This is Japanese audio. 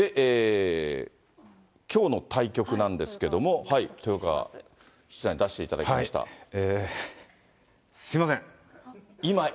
きょうの対局なんですけれども、豊川七段に出していただきますみません。